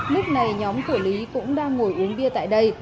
lúc này nhóm của lý cũng đang ngồi uống bia tại đây